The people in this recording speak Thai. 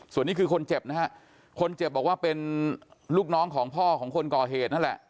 ส่วนนี้คือคนเจ็บนะฮะคนเจ็บบอกว่าเป็นลูกน้องของพ่อของคนก่อเหตุนั่นแหละ